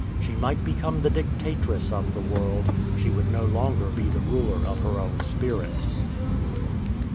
She might become the dictatress of the world; she would no longer be the ruler of her own spirit.